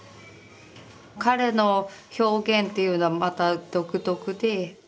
彼の表現っていうのはまた独特で。